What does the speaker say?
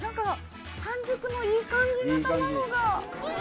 半熟のいい感じの卵が。